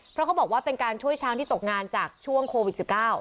เพราะเขาบอกว่าเป็นการช่วยช้างที่ตกงานจากช่วงโควิด๑๙